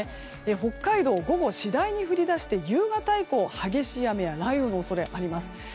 北海道、午後、次第に降り出して夕方以降激しい雨や雷雨の恐れあります。